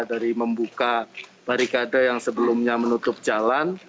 dari membuka barikade yang sebelumnya menutup jalan